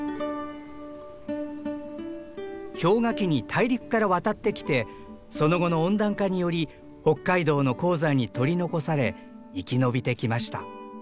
氷河期に大陸から渡ってきてその後の温暖化により北海道の高山に取り残され生き延びてきました。